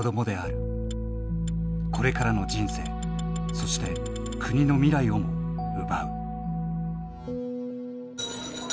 これからの人生そして国の未来をも奪う。